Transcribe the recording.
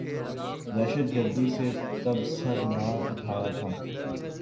دہشت گردی نے تب سر نہ اٹھایا تھا۔